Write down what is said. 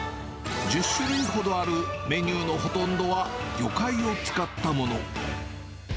１０種類ほどあるメニューのほとんどは魚介を使ったもの。